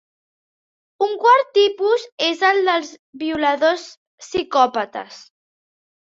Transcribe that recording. Un quart tipus és el dels violadors psicòpates.